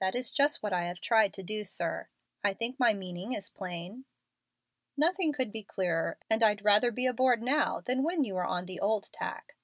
"That is just what I have tried to do, sir. I think my meaning is plain?" "Nothing could be clearer, and I'd rather be aboard now than when you were on the old tack."